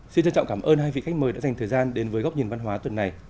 xin trân trọng cảm ơn hai vị khách mời đã dành thời gian đến với góc nhìn văn hóa tuần này